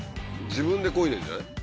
自分でこいでんじゃない？